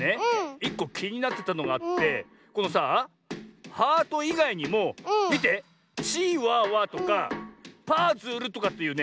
１こきになってたのがあってこのさあ「ハート」いがいにもみて「チワワ」とか「パズル」とかっていうね